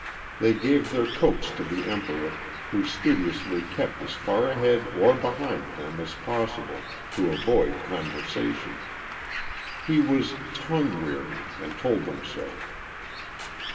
They gave their coats to the Emperor, who studiously kept as far ahead or behind them as possible to avoid conversation. He was "tongue weary," and told them so.